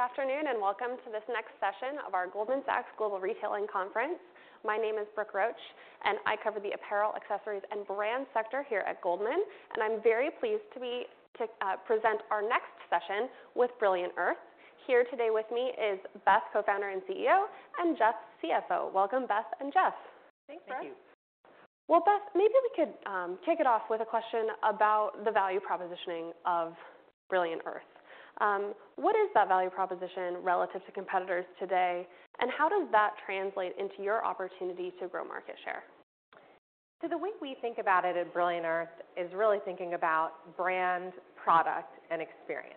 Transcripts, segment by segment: Good afternoon, and welcome to this next session of our Goldman Sachs Global Retailing Conference. My name is Brooke Roach, and I cover the apparel, accessories, and brand sector here at Goldman. I'm very pleased to present our next session with Brilliant Earth. Here today with me is Beth, Co-Founder and CEO, and Jeff, CFO. Welcome, Beth and Jeff. Thanks, Brooke. Thank you. Well, Beth, maybe we could kick it off with a question about the value proposition of Brilliant Earth. What is that value proposition relative to competitors today, and how does that translate into your opportunity to grow market share? So the way we think about it at Brilliant Earth is really thinking about brand, product, and experience.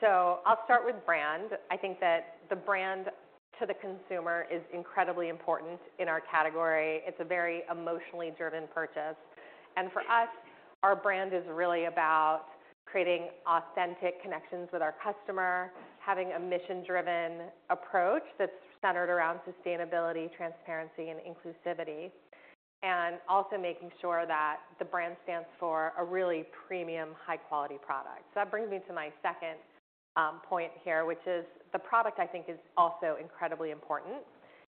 So I'll start with brand. I think that the brand to the consumer is incredibly important in our category. It's a very emotionally driven purchase. And for us, our brand is really about creating authentic connections with our customer, having a mission-driven approach that's centered around sustainability, transparency, and inclusivity, and also making sure that the brand stands for a really premium, high-quality product. So that brings me to my second point here, which is the product I think is also incredibly important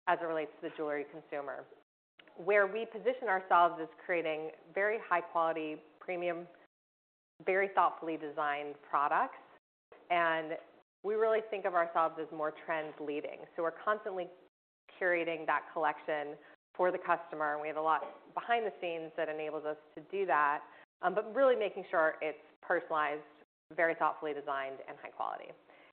as it relates to the jewelry consumer. Where we position ourselves is creating very high quality, premium, very thoughtfully designed products, and we really think of ourselves as more trend leading. We're constantly curating that collection for the customer, and we have a lot behind the scenes that enables us to do that, but really making sure it's personalized, very thoughtfully designed, and high quality.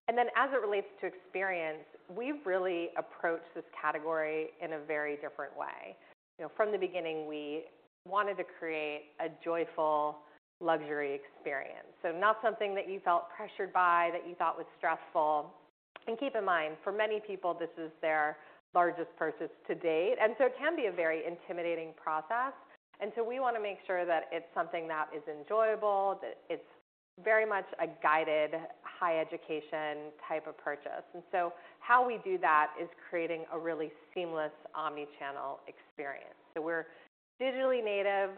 As it relates to experience, we've really approached this category in a very different way. You know, from the beginning, we wanted to create a joyful, luxury experience. Not something that you felt pressured by, that you thought was stressful. Keep in mind, for many people, this is their largest purchase to date, and so it can be a very intimidating process. We want to make sure that it's something that is enjoyable, that it's very much a guided, high education type of purchase. How we do that is creating a really seamless omni-channel experience. So we're digitally native,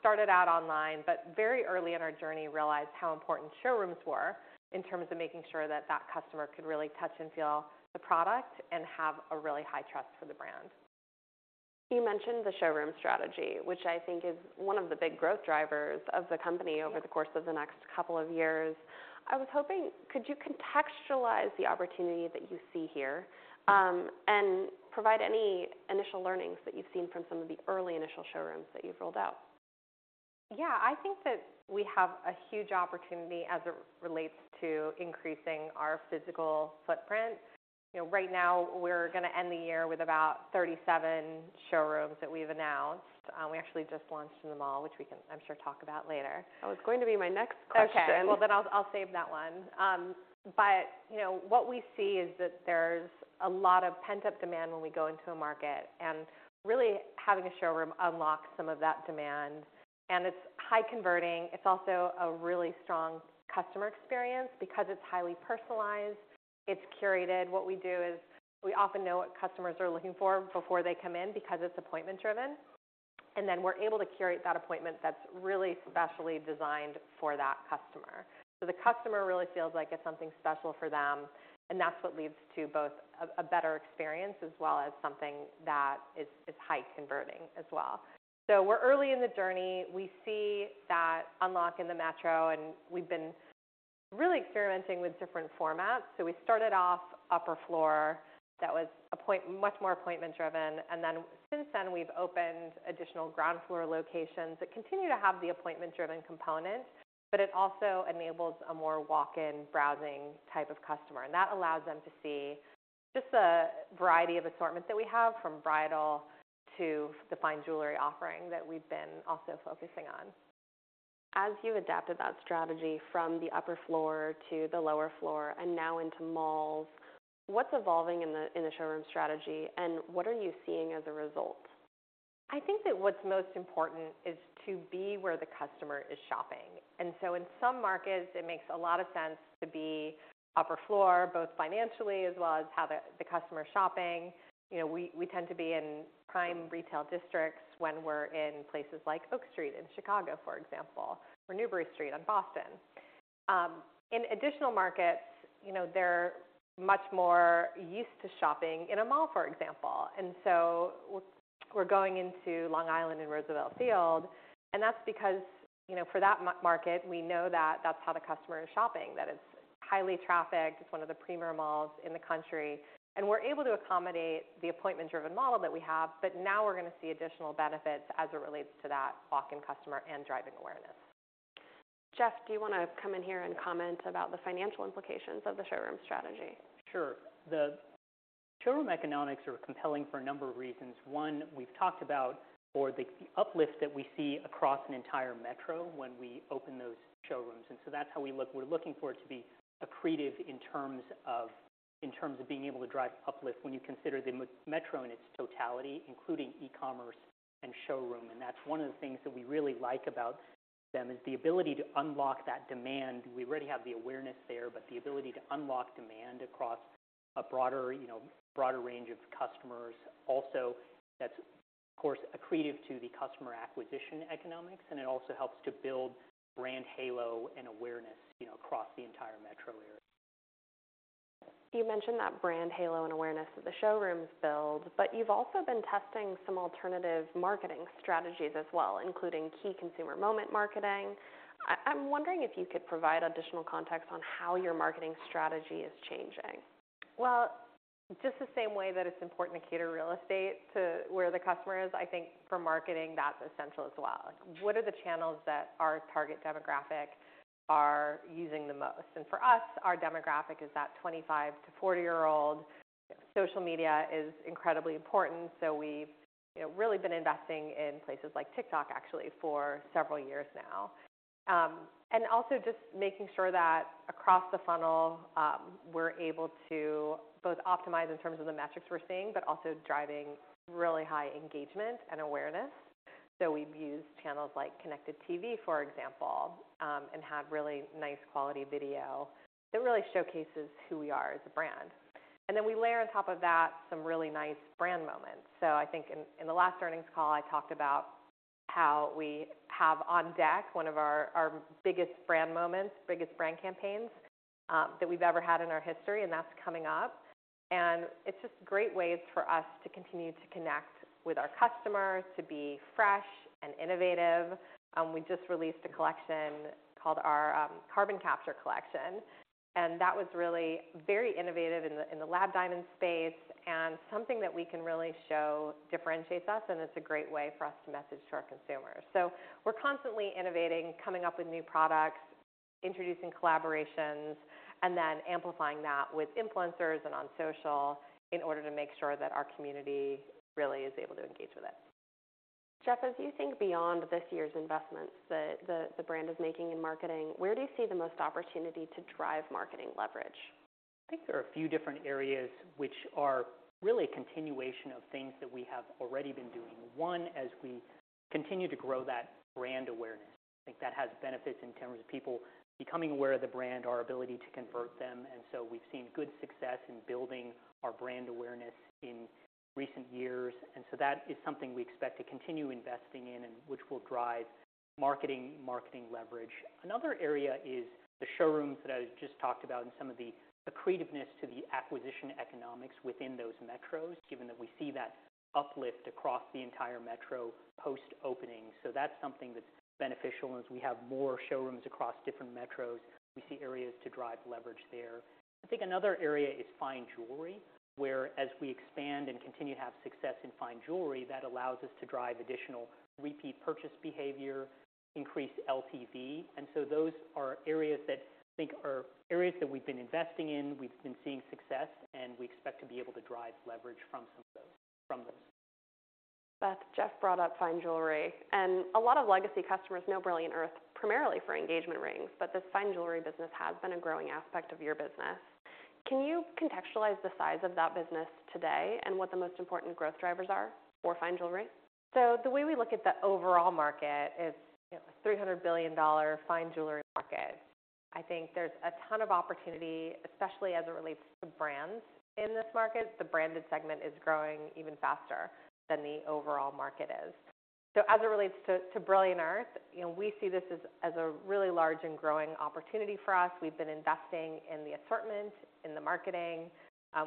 started out online, but very early in our journey, realized how important showrooms were in terms of making sure that that customer could really touch and feel the product and have a really high trust for the brand. You mentioned the showroom strategy, which I think is one of the big growth drivers of the company. Yeah... Over the course of the next couple of years. I was hoping, could you contextualize the opportunity that you see here, and provide any initial learnings that you've seen from some of the early initial showrooms that you've rolled out? Yeah, I think that we have a huge opportunity as it relates to increasing our physical footprint. You know, right now, we're gonna end the year with about 37 showrooms that we've announced. We actually just launched in the mall, which we can, I'm sure, talk about later. Oh, it's going to be my next question. Okay. Well, then I'll save that one. But, you know, what we see is that there's a lot of pent-up demand when we go into a market, and really having a showroom unlocks some of that demand, and it's high converting. It's also a really strong customer experience because it's highly personalized, it's curated. What we do is we often know what customers are looking for before they come in because it's appointment-driven, and then we're able to curate that appointment that's really specially designed for that customer. So the customer really feels like it's something special for them, and that's what leads to both a better experience as well as something that is high converting as well. So we're early in the journey. We see that unlock in the metro, and we've been really experimenting with different formats. So we started off upper floor. That was much more appointment driven, and then since then, we've opened additional ground floor locations that continue to have the appointment-driven component, but it also enables a more walk-in, browsing type of customer. And that allows them to see just the variety of assortment that we have, from bridal to the fine jewelry offering that we've been also focusing on. As you've adapted that strategy from the upper floor to the lower floor and now into malls, what's evolving in the showroom strategy, and what are you seeing as a result? I think that what's most important is to be where the customer is shopping. In some markets, it makes a lot of sense to be upper floor, both financially as well as how the customer is shopping. You know, we tend to be in prime retail districts when we're in places like Oak Street in Chicago, for example, or Newbury Street in Boston. In additional markets, you know, they're much more used to shopping in a mall, for example. We're going into Long Island and Roosevelt Field, and that's because, you know, for that market, we know that that's how the customer is shopping, that it's highly trafficked. It's one of the premier malls in the country, and we're able to accommodate the appointment-driven model that we have, but now we're going to see additional benefits as it relates to that walk-in customer and driving awareness. Jeff, do you want to come in here and comment about the financial implications of the showroom strategy? Sure. The showroom economics are compelling for a number of reasons. One, we've talked about the uplift that we see across an entire metro when we open those showrooms, and so that's how we look. We're looking for it to be accretive in terms of being able to drive uplift when you consider the metro in its totality, including e-commerce and showroom, and that's one of the things that we really like about them, is the ability to unlock that demand. We already have the awareness there, but the ability to unlock demand across a broader, you know, broader range of customers. Also, that's, of course, accretive to the customer acquisition economics, and it also helps to build brand halo and awareness, you know, across the entire metro area. You mentioned that brand halo and awareness that the showrooms build, but you've also been testing some alternative marketing strategies as well, including key consumer moment marketing. I'm wondering if you could provide additional context on how your marketing strategy is changing. Well, just the same way that it's important to cater real estate to where the customer is, I think for marketing, that's essential as well. What are the channels that our target demographic are using the most? And for us, our demographic is that 25- to 40-year-old. Social media is incredibly important, so we've, you know, really been investing in places like TikTok, actually, for several years now. And also just making sure that across the funnel, we're able to both optimize in terms of the metrics we're seeing, but also driving really high engagement and awareness. So we've used channels like Connected TV, for example, and have really nice quality video that really showcases who we are as a brand. And then we layer on top of that some really nice brand moments. So I think in, in the last earnings call, I talked about how we have on deck one of our, our biggest brand moments, biggest brand campaigns that we've ever had in our history, and that's coming up. It's just great ways for us to continue to connect with our customers, to be fresh and innovative. We just released a collection called our Carbon Capture Collection, and that was really very innovative in the, in the lab diamond space, and something that we can really show differentiates us, and it's a great way for us to message to our consumers. We're constantly innovating, coming up with new products, introducing collaborations, and then amplifying that with influencers and on social in order to make sure that our community really is able to engage with it. Jeff, as you think beyond this year's investments that the brand is making in marketing, where do you see the most opportunity to drive marketing leverage? I think there are a few different areas which are really a continuation of things that we have already been doing. One, as we continue to grow that brand awareness, I think that has benefits in terms of people becoming aware of the brand, our ability to convert them, and so we've seen good success in building our brand awareness in recent years. And so that is something we expect to continue investing in and which will drive marketing, marketing leverage. Another area is the showrooms that I just talked about and some of the accretiveness to the acquisition economics within those metros, given that we see that uplift across the entire metro post-opening. So that's something that's beneficial, as we have more showrooms across different metros, we see areas to drive leverage there. I think another area is fine jewelry, where as we expand and continue to have success in fine jewelry, that allows us to drive additional repeat purchase behavior, increased LTV. Those are areas that I think are areas that we've been investing in, we've been seeing success, and we expect to be able to drive leverage from some of those, from those. Beth, Jeff brought up fine jewelry, and a lot of legacy customers know Brilliant Earth primarily for engagement rings, but this fine jewelry business has been a growing aspect of your business. Can you contextualize the size of that business today and what the most important growth drivers are for fine jewelry? So the way we look at the overall market, it's, you know, $300 billion fine jewelry market. I think there's a ton of opportunity, especially as it relates to brands in this market. The branded segment is growing even faster than the overall market is. So as it relates to, to Brilliant Earth, you know, we see this as, as a really large and growing opportunity for us. We've been investing in the assortment, in the marketing.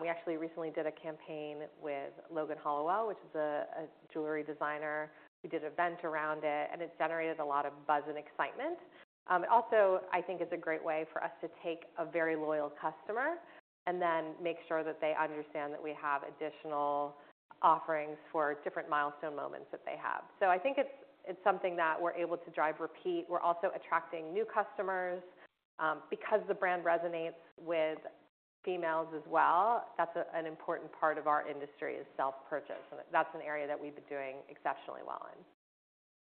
We actually recently did a campaign with Logan Hollowell, which is a, a jewelry designer. We did event around it, and it's generated a lot of buzz and excitement. Also, I think it's a great way for us to take a very loyal customer and then make sure that they understand that we have additional offerings for different milestone moments that they have. I think it's something that we're able to drive repeat. We're also attracting new customers, because the brand resonates with females as well. That's an important part of our industry, is self-purchase, and that's an area that we've been doing exceptionally well in.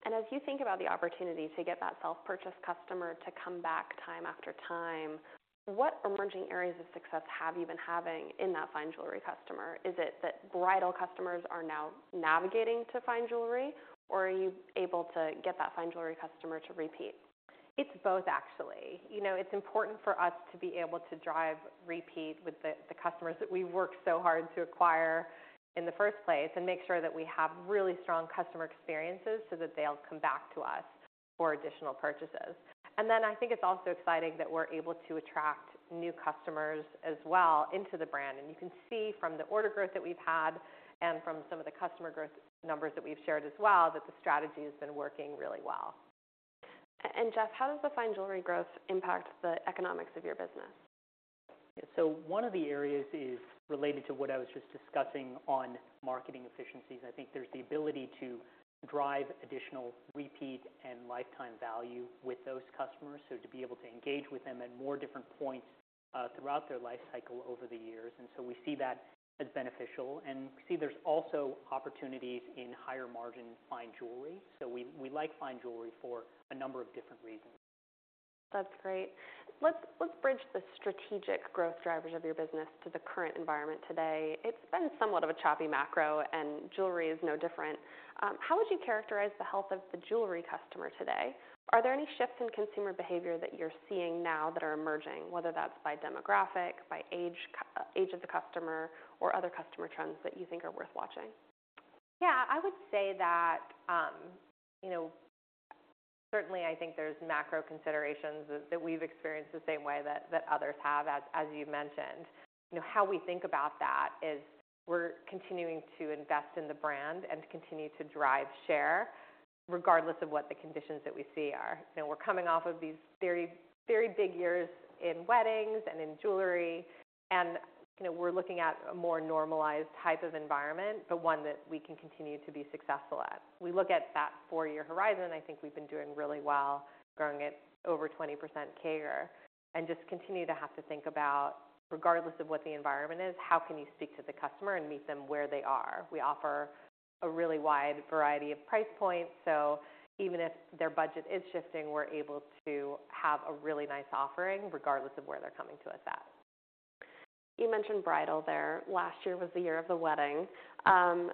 As you think about the opportunity to get that self-purchase customer to come back time after time, what emerging areas of success have you been having in that fine jewelry customer? Is it that bridal customers are now navigating to fine jewelry, or are you able to get that fine jewelry customer to repeat? It's both, actually. You know, it's important for us to be able to drive repeat with the customers that we work so hard to acquire in the first place, and make sure that we have really strong customer experiences so that they'll come back to us for additional purchases. And then I think it's also exciting that we're able to attract new customers as well into the brand. And you can see from the order growth that we've had and from some of the customer growth numbers that we've shared as well, that the strategy has been working really well. Jeff, how does the fine jewelry growth impact the economics of your business? So one of the areas is related to what I was just discussing on marketing efficiencies. I think there's the ability to drive additional repeat and lifetime value with those customers, so to be able to engage with them at more different points throughout their life cycle over the years, and so we see that as beneficial. And we see there's also opportunities in higher-margin fine jewelry. So we, we like fine jewelry for a number of different reasons. That's great. Let's bridge the strategic growth drivers of your business to the current environment today. It's been somewhat of a choppy macro, and jewelry is no different. How would you characterize the health of the jewelry customer today? Are there any shifts in consumer behavior that you're seeing now that are emerging, whether that's by demographic, by age, age of the customer, or other customer trends that you think are worth watching?... Yeah, I would say that, you know, certainly I think there's macro considerations that we've experienced the same way that others have, as you mentioned. You know, how we think about that is we're continuing to invest in the brand and continue to drive share, regardless of what the conditions that we see are. You know, we're coming off of these very, very big years in weddings and in jewelry, and, you know, we're looking at a more normalized type of environment, but one that we can continue to be successful at. We look at that four-year horizon, I think we've been doing really well, growing at over 20% CAGR, and just continue to have to think about, regardless of what the environment is, how can you speak to the customer and meet them where they are? We offer a really wide variety of price points, so even if their budget is shifting, we're able to have a really nice offering, regardless of where they're coming to us at. You mentioned bridal there. Last year was the year of the wedding, and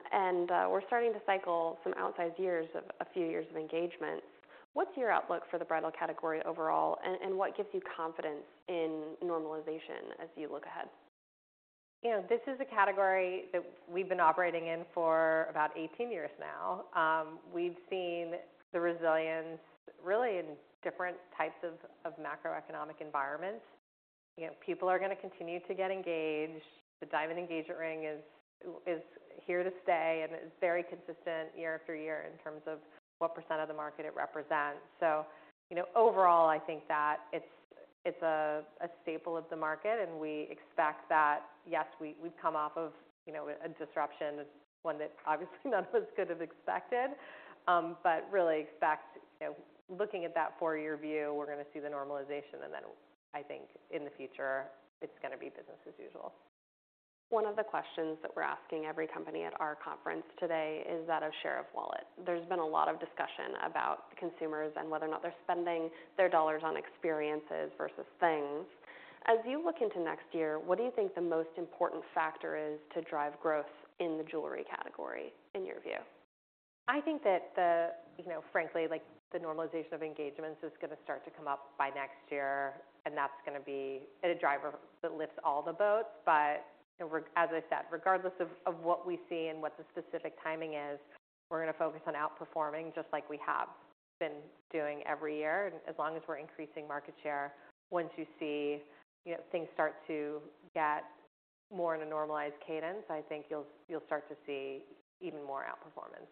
we're starting to cycle some outsized years of a few years of engagement. What's your outlook for the bridal category overall, and what gives you confidence in normalization as you look ahead? You know, this is a category that we've been operating in for about 18 years now. We've seen the resilience really in different types of, of macroeconomic environments. You know, people are gonna continue to get engaged. The diamond engagement ring is, is here to stay, and it's very consistent year after year in terms of what percent of the market it represents. So, you know, overall, I think that it's, it's a, a staple of the market, and we expect that, yes, we've come off of, you know, a disruption, one that obviously none of us could have expected, but really expect, you know, looking at that four-year view, we're gonna see the normalization, and then I think in the future, it's gonna be business as usual. One of the questions that we're asking every company at our conference today is that of share of wallet. There's been a lot of discussion about consumers and whether or not they're spending their dollars on experiences versus things. As you look into next year, what do you think the most important factor is to drive growth in the jewelry category, in your view? I think that the... You know, frankly, like, the normalization of engagements is gonna start to come up by next year, and that's gonna be a driver that lifts all the boats. But, you know, as I said, regardless of, of what we see and what the specific timing is, we're gonna focus on outperforming just like we have been doing every year. And as long as we're increasing market share, once you see, you know, things start to get more in a normalized cadence, I think you'll, you'll start to see even more outperformance.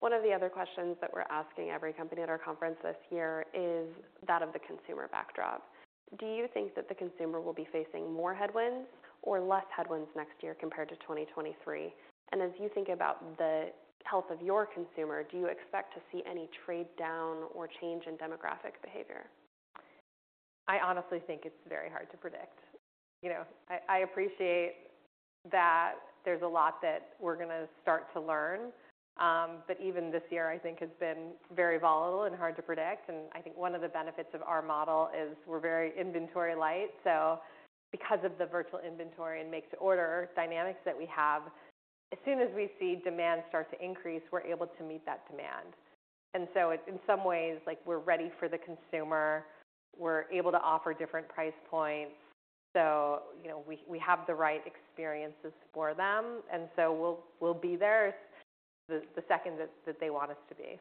One of the other questions that we're asking every company at our conference this year is that of the consumer backdrop. Do you think that the consumer will be facing more headwinds or less headwinds next year compared to 2023? As you think about the health of your consumer, do you expect to see any trade down or change in demographic behavior? I honestly think it's very hard to predict. You know, I appreciate that there's a lot that we're gonna start to learn, but even this year, I think, has been very volatile and hard to predict. I think one of the benefits of our model is we're very inventory light. So because of the virtual inventory and make to order dynamics that we have, as soon as we see demand start to increase, we're able to meet that demand. And so in some ways, like, we're ready for the consumer. We're able to offer different price points, so, you know, we have the right experiences for them, and so we'll be there the second that they want us to be.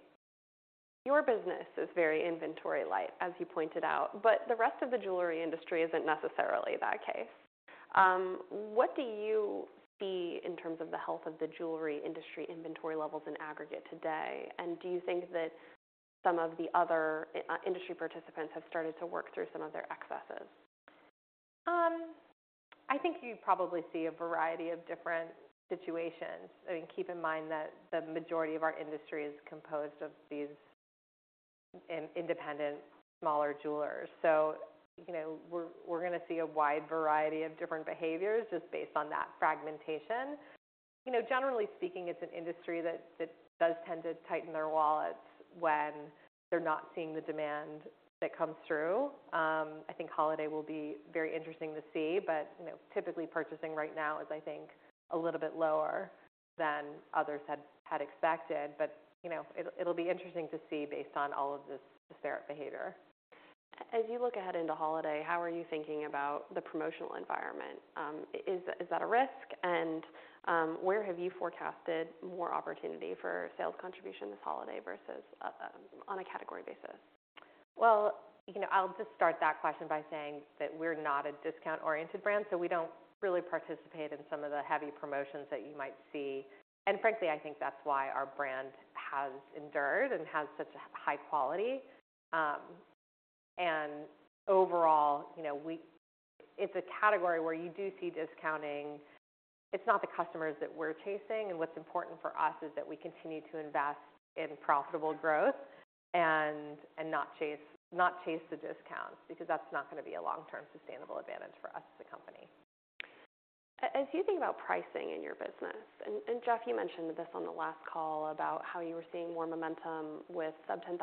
Your business is very inventory light, as you pointed out, but the rest of the jewelry industry isn't necessarily that case. What do you see in terms of the health of the jewelry industry inventory levels in aggregate today? And do you think that some of the other industry participants have started to work through some of their excesses? I think you probably see a variety of different situations. I mean, keep in mind that the majority of our industry is composed of these independent, smaller jewelers. So, you know, we're gonna see a wide variety of different behaviors just based on that fragmentation. You know, generally speaking, it's an industry that does tend to tighten their wallets when they're not seeing the demand that comes through. I think holiday will be very interesting to see, but, you know, typically purchasing right now is, I think, a little bit lower than others had expected. But, you know, it'll be interesting to see based on all of this tariff behavior. As you look ahead into holiday, how are you thinking about the promotional environment? Is, is that a risk? And, where have you forecasted more opportunity for sales contribution this holiday versus, on a category basis? Well, you know, I'll just start that question by saying that we're not a discount-oriented brand, so we don't really participate in some of the heavy promotions that you might see. Frankly, I think that's why our brand has endured and has such a high quality. Overall, you know, we-- it's a category where you do see discounting. It's not the customers that we're chasing, and what's important for us is that we continue to invest in profitable growth and, and not chase, not chase the discounts, because that's not gonna be a long-term sustainable advantage for us as a company. As you think about pricing in your business, and Jeff, you mentioned this on the last call about how you were seeing more momentum with sub-$10,000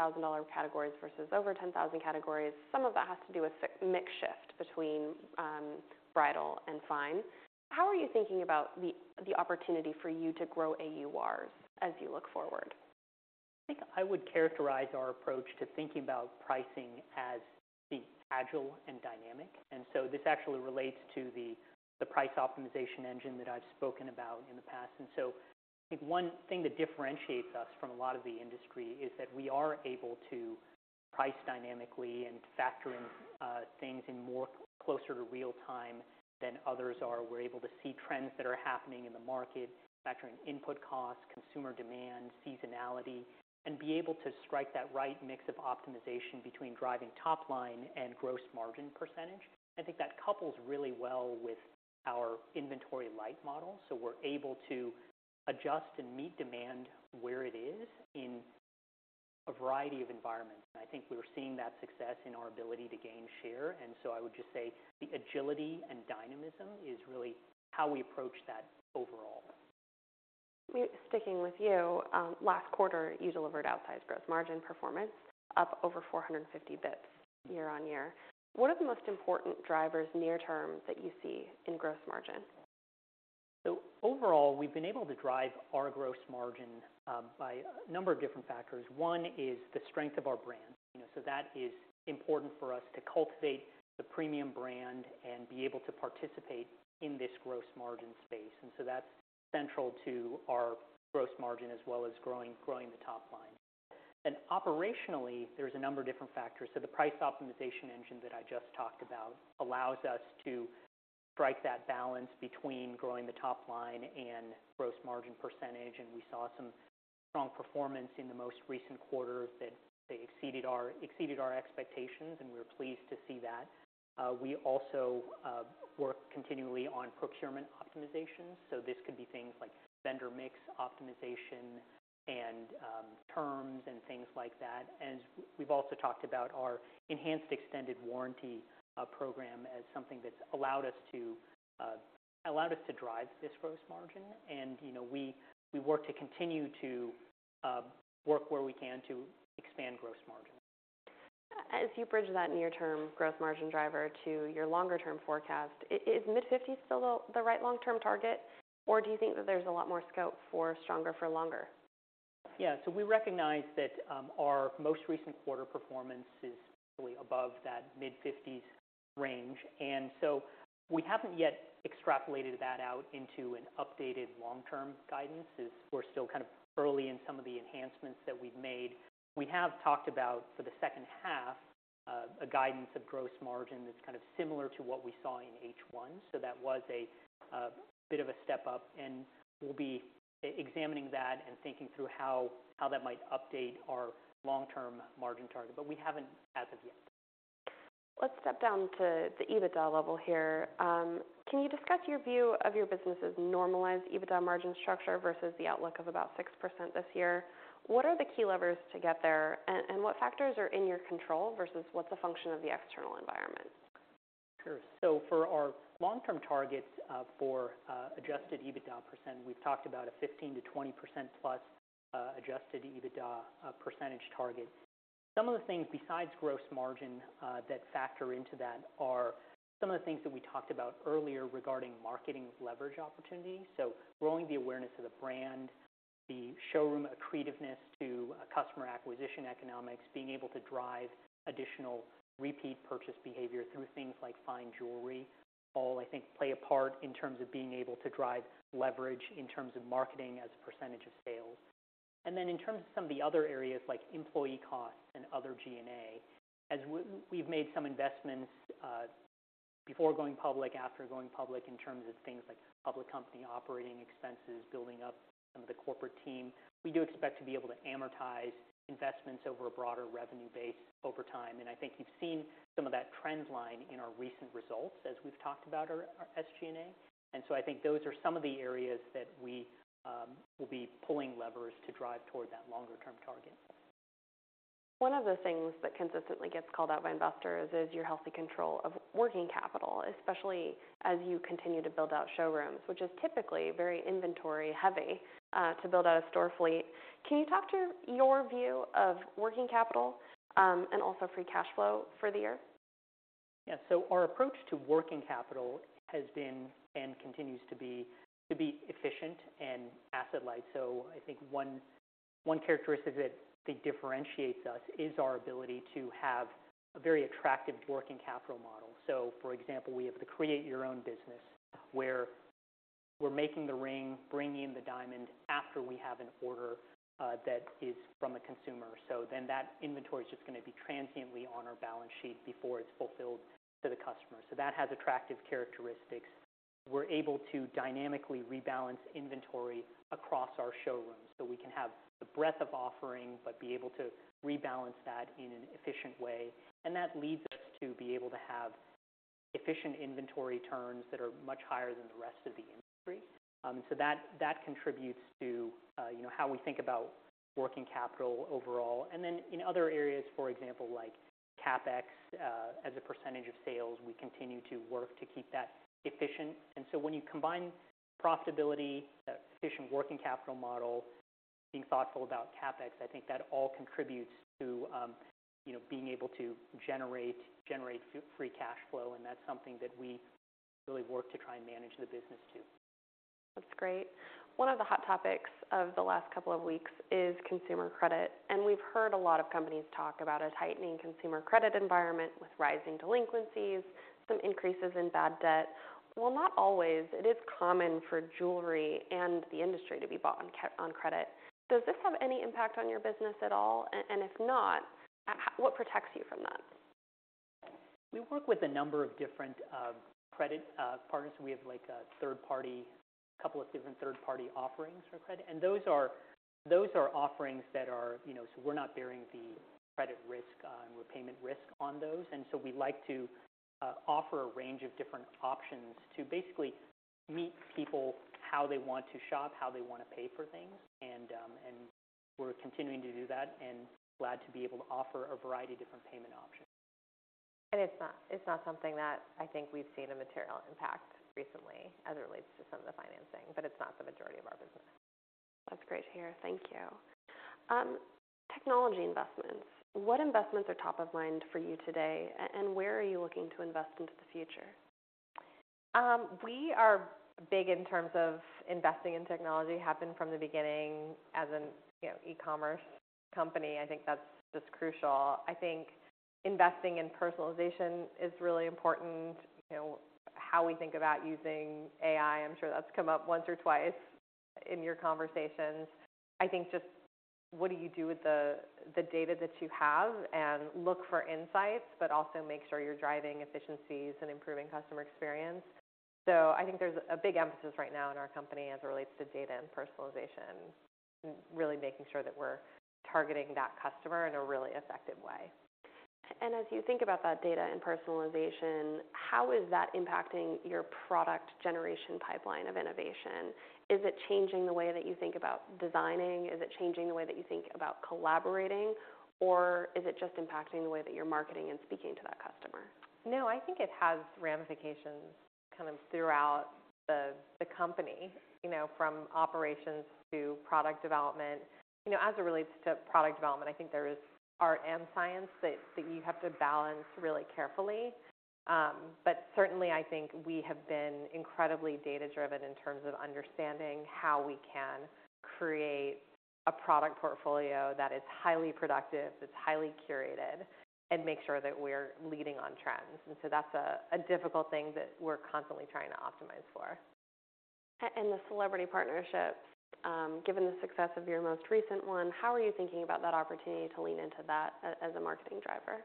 categories versus over $10,000 categories. Some of that has to do with mix shift between bridal and fine. How are you thinking about the opportunity for you to grow AURs as you look forward?... I think I would characterize our approach to thinking about pricing as being agile and dynamic. And so this actually relates to the price optimization engine that I've spoken about in the past. And so I think one thing that differentiates us from a lot of the industry is that we are able to price dynamically and factor in things in more closer to real time than others are. We're able to see trends that are happening in the market, factor in input costs, consumer demand, seasonality, and be able to strike that right mix of optimization between driving top line and gross margin percentage. I think that couples really well with our inventory light model, so we're able to adjust and meet demand where it is in a variety of environments, and I think we're seeing that success in our ability to gain share. I would just say the agility and dynamism is really how we approach that overall. Sticking with you, last quarter, you delivered outsized gross margin performance up over 450 basis points year-over-year. What are the most important drivers near term that you see in gross margin? So overall, we've been able to drive our gross margin by a number of different factors. One is the strength of our brand. You know, so that is important for us to cultivate the premium brand and be able to participate in this gross margin space. And so that's central to our gross margin as well as growing the top line. And operationally, there's a number of different factors. So the price optimization engine that I just talked about allows us to strike that balance between growing the top line and gross margin percentage. And we saw some strong performance in the most recent quarter that exceeded our expectations, and we're pleased to see that. We also work continually on procurement optimization. So this could be things like vendor mix optimization and terms and things like that. We've also talked about our enhanced extended warranty program as something that's allowed us to drive this gross margin. You know, we work to continue to work where we can to expand gross margin. As you bridge that near-term gross margin driver to your longer-term forecast, is mid-50s still the right long-term target, or do you think that there's a lot more scope for stronger for longer? Yeah, so we recognize that our most recent quarter performance is really above that mid-50s range, and we haven't yet extrapolated that out into an updated long-term guidance, as we're still kind of early in some of the enhancements that we've made. We have talked about for the second half, a guidance of gross margin that's kind of similar to what we saw in H1. That was a bit of a step up, and we'll be examining that and thinking through how that might update our long-term margin target, but we haven't as of yet. Let's step down to the EBITDA level here. Can you discuss your view of your business's normalized EBITDA margin structure versus the outlook of about 6% this year? What are the key levers to get there, and what factors are in your control versus what's a function of the external environment? Sure. So for our long-term targets, for Adjusted EBITDA percent, we've talked about a 15%-20%+ Adjusted EBITDA percentage target. Some of the things besides gross margin that factor into that are some of the things that we talked about earlier regarding marketing leverage opportunities. So growing the awareness of the brand, the showroom accretiveness to customer acquisition economics, being able to drive additional repeat purchase behavior through things like fine jewelry, all, I think, play a part in terms of being able to drive leverage in terms of marketing as a percentage of sales. In terms of some of the other areas like employee costs and other G&A, as we've made some investments before going public, after going public, in terms of things like public company operating expenses, building up some of the corporate team, we do expect to be able to amortize investments over a broader revenue base over time. And I think you've seen some of that trend line in our recent results as we've talked about our SG&A. And so I think those are some of the areas that we will be pulling levers to drive toward that longer term target. One of the things that consistently gets called out by investors is your healthy control of working capital, especially as you continue to build out showrooms, which is typically very inventory heavy, to build out a store fleet. Can you talk to your view of working capital, and also free cash flow for the year? Yeah. So our approach to working capital has been and continues to be to be efficient and asset light. So I think one, one characteristic that I think differentiates us is our ability to have a very attractive working capital model. So for example, we have the Create Your Own business, where we're making the ring, bringing in the diamond after we have an order, that is from a consumer. So then that inventory is just gonna be transiently on our balance sheet before it's fulfilled to the customer. So that has attractive characteristics. We're able to dynamically rebalance inventory across our showrooms, so we can have the breadth of offering, but be able to rebalance that in an efficient way. And that leads us to be able to have efficient inventory turns that are much higher than the rest of the industry. So that contributes to, you know, how we think about working capital overall. And then in other areas, for example, like CapEx, as a percentage of sales, we continue to work to keep that efficient. And so when you combine profitability, efficient working capital model, being thoughtful about CapEx, I think that all contributes to, you know, being able to generate free cash flow, and that's something that we really work to try and manage the business to.... That's great. One of the hot topics of the last couple of weeks is consumer credit, and we've heard a lot of companies talk about a tightening consumer credit environment with rising delinquencies, some increases in bad debt. While not always, it is common for jewelry and the industry to be bought on credit. Does this have any impact on your business at all? And if not, what protects you from that? We work with a number of different credit partners. We have, like, a couple of different third-party offerings for credit, and those are offerings that are, you know, so we're not bearing the credit risk and repayment risk on those. And so we like to offer a range of different options to basically meet people how they want to shop, how they wanna pay for things, and we're continuing to do that, and glad to be able to offer a variety of different payment options. It's not, it's not something that I think we've seen a material impact recently as it relates to some of the financing, but it's not the majority of our business. That's great to hear. Thank you. Technology investments. What investments are top of mind for you today, and where are you looking to invest into the future? We are big in terms of investing in technology. Happened from the beginning as an, you know, e-commerce company. I think that's just crucial. I think investing in personalization is really important. You know, how we think about using AI, I'm sure that's come up once or twice in your conversations. I think just what do you do with the data that you have, and look for insights, but also make sure you're driving efficiencies and improving customer experience. So I think there's a big emphasis right now in our company as it relates to data and personalization, and really making sure that we're targeting that customer in a really effective way. As you think about that data and personalization, how is that impacting your product generation pipeline of innovation? Is it changing the way that you think about designing? Is it changing the way that you think about collaborating, or is it just impacting the way that you're marketing and speaking to that customer? No, I think it has ramifications kind of throughout the company, you know, from operations to product development. You know, as it relates to product development, I think there is art and science that you have to balance really carefully. But certainly, I think we have been incredibly data-driven in terms of understanding how we can create a product portfolio that is highly productive, it's highly curated, and make sure that we're leading on trends. And so that's a difficult thing that we're constantly trying to optimize for. And the celebrity partnerships, given the success of your most recent one, how are you thinking about that opportunity to lean into that as a marketing driver?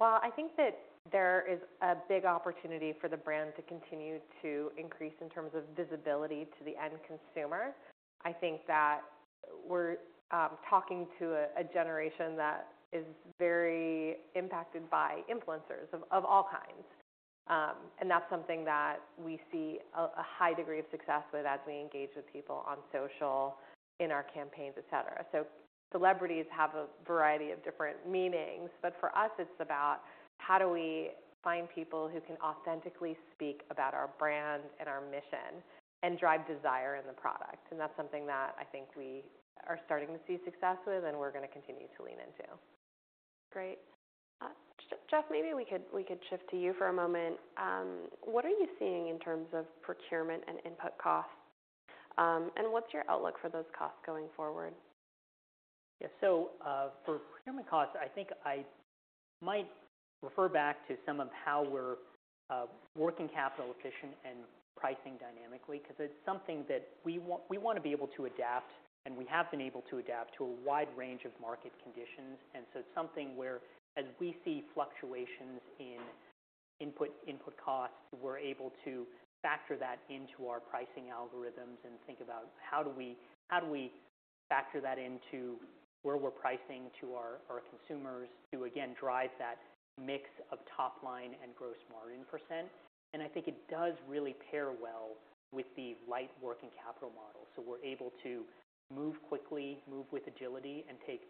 Well, I think that there is a big opportunity for the brand to continue to increase in terms of visibility to the end consumer. I think that we're talking to a generation that is very impacted by influencers of all kinds, and that's something that we see a high degree of success with as we engage with people on social, in our campaigns, et cetera. So celebrities have a variety of different meanings, but for us it's about how do we find people who can authentically speak about our brand and our mission and drive desire in the product? And that's something that I think we are starting to see success with, and we're gonna continue to lean into. Great. Jeff, maybe we could, we could shift to you for a moment. What are you seeing in terms of procurement and input costs, and what's your outlook for those costs going forward? Yeah. So, for procurement costs, I think I might refer back to some of how we're working capital efficient and pricing dynamically, 'cause it's something that we want—we wanna be able to adapt, and we have been able to adapt to a wide range of market conditions. And so it's something where, as we see fluctuations in input, input costs, we're able to factor that into our pricing algorithms and think about how do we, how do we factor that into where we're pricing to our, our consumers to, again, drive that mix of top line and gross margin percent? I think it does really pair well with the light working capital model, so we're able to move quickly, move with agility, and take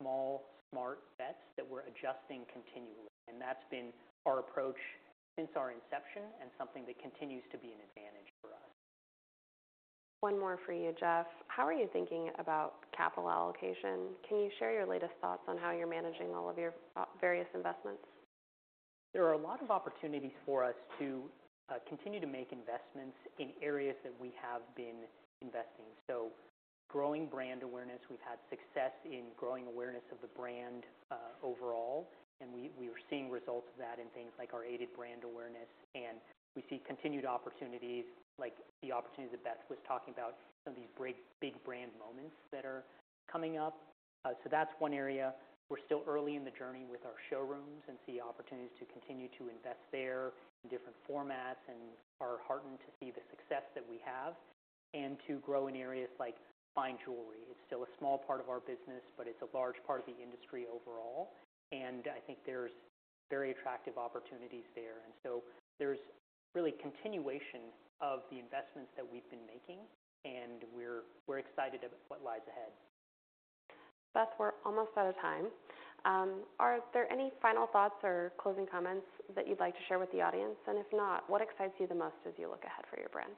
small, smart bets that we're adjusting continually, and that's been our approach since our inception and something that continues to be an advantage for us. One more for you, Jeff. How are you thinking about capital allocation? Can you share your latest thoughts on how you're managing all of your various investments? There are a lot of opportunities for us to continue to make investments in areas that we have been investing. So growing brand awareness, we've had success in growing awareness of the brand overall, and we are seeing results of that in things like our aided brand awareness, and we see continued opportunities, like the opportunities that Beth was talking about, some of these big brand moments that are coming up. So that's one area. We're still early in the journey with our showrooms and see opportunities to continue to invest there in different formats and are heartened to see the success that we have and to grow in areas like fine jewelry. It's still a small part of our business, but it's a large part of the industry overall, and I think there's very attractive opportunities there. And so there's really continuation of the investments that we've been making, and we're, we're excited about what lies ahead. Beth, we're almost out of time. Are there any final thoughts or closing comments that you'd like to share with the audience? And if not, what excites you the most as you look ahead for your brand?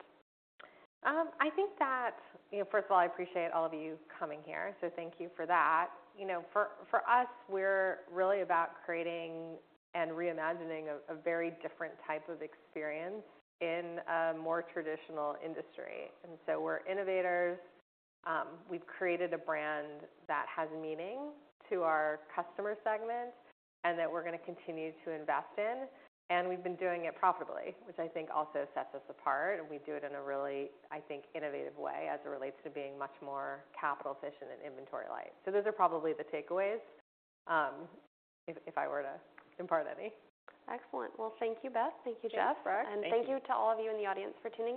I think that... You know, first of all, I appreciate all of you coming here, so thank you for that. You know, for us, we're really about creating and reimagining a very different type of experience in a more traditional industry, and so we're innovators. We've created a brand that has meaning to our customer segment and that we're gonna continue to invest in, and we've been doing it profitably, which I think also sets us apart, and we do it in a really, I think, innovative way as it relates to being much more capital efficient and inventory light. So those are probably the takeaways, if I were to impart any. Excellent. Well, thank you, Beth. Thank you, Jeff. Thanks, Brooke. Thank you to all of you in the audience for tuning in.